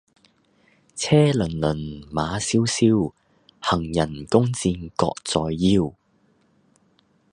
車轔轔，馬蕭蕭，行人弓箭各在腰。